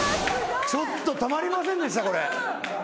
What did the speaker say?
ちょっとたまりませんでしたこれ。